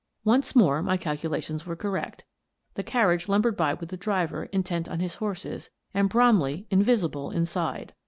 Once more my calculations were correct. The carriage lumbered by with the driver intent on his horses and Bromley invisible inside.